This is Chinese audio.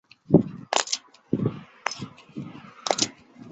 麦特与史提夫皆感应到了安德鲁的情绪爆发。